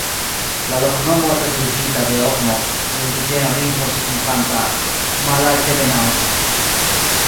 La loknomo estas derivita de ogmok el indiĝena lingvo signifanta "malaltebenaĵo".